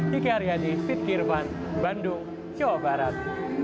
yuki aryadi fit kirvan bandung jawa barat